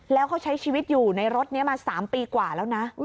แล้วเขาใช้ชีวิตอยู่ในรถนี้มา๓ปีกว่าแล้วนะ